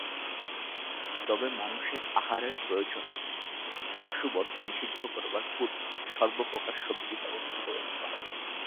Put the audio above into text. তবে মানুষের আহারের প্রয়োজনে পশুবধ নিষিদ্ধ করবার পূর্বে সর্বপ্রকার সব্জির ব্যবস্থা করে দিতে হবে।